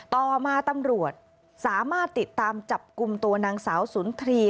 ต่อมาตำรวจสามารถติดตามจับกลุ่มตัวนางสาวสุนทรีย์